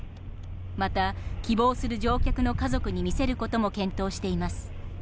また、希望する乗客の家族に見せることも検討しています。